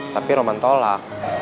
tapi roman tolak